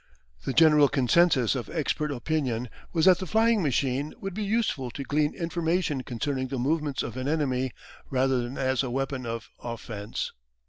The general consensus of expert opinion was that the flying machine would be useful to glean information concerning the movements of an enemy, rather than as a weapon of offence.